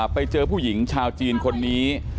ไปเจอผู้หญิงชาวจีนคนนี้